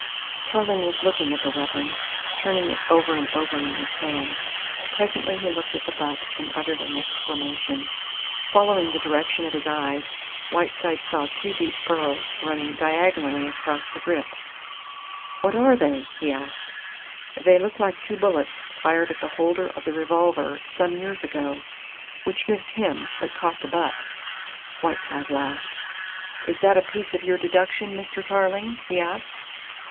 Tarling was looking at the weapon, turning it over and over in his hand. Presently he looked at the butt and uttered an exclamation. Following the direction of his eyes, Whiteside saw two deep furrows running diagonally across the grip. "What are they?" he asked. "They look like two bullets fired at the holder of the revolver some years ago, which missed him but caught the butt." Whiteside laughed. "Is that a piece of your deduction, Mr. Tarling?" he asked.